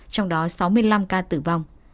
trong đó sáu mươi năm ca tử vong